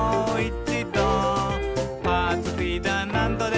「パーツフィーダーなんどでも」